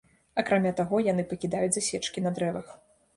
Акрамя таго яны пакідаюць засечкі на дрэвах.